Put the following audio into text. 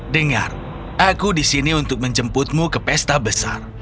dengar aku disini untuk menjemputmu ke pesta besar